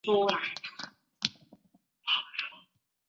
能够入流的要素。